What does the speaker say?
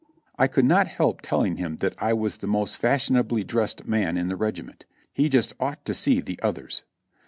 I could not help telling him that I was the most fashionably dressed man in the regiment, he just ought to see the others.